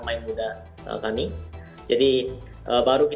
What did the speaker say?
dan mereka akan lebih baik